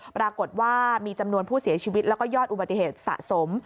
ปรากฏว่ามีจำนวนผู้เสียชีวิตแล้วก็ยอดอุบัติเหตุสะสม